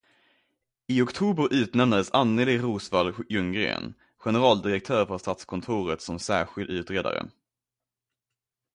I oktober utnämndes Annelie Roswall Ljunggren, generaldirektör för Statskontoret, som särskild utredare.